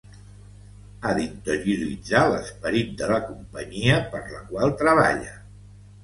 Ha d'interioritzar l'esperit de la companyia per la qual treballa.